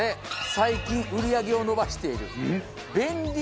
最近売り上げを伸ばしている便利冷凍食品です。